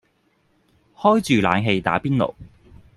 開住冷氣打邊爐